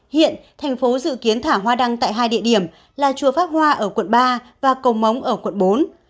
hiện thành phố dự kiến thả hoa đăng tại hai địa điểm là chùa pháp hoa ở quận ba và cầu móng ở quận bốn